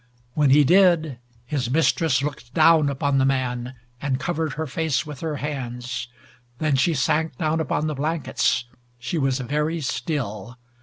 When he did, his mistress looked down once upon the man and covered her face with her hands. Then she sank down upon the blankets. She was very still.